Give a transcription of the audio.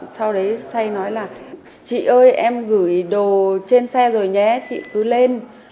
sau đấy say nói là chị ơi em gửi đồ trên xe rồi nhé chị cứ lên